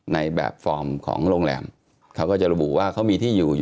ในแบบฟอร์มของโรงแรมเขาก็จะระบุว่าเขามีที่อยู่